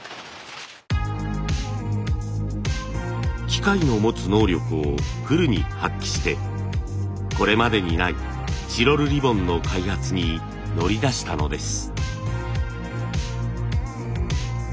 機械の持つ能力をフルに発揮してこれまでにないチロルリボンの開発に乗り出したのです。